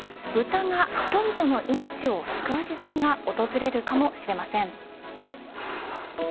ブタが人々の命を救う時代が訪れるかもしれません。